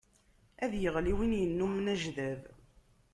Ad iɣli win innumen ajdab.